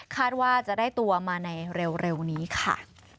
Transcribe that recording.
ว่าจะได้ตัวมาในเร็วนี้ค่ะ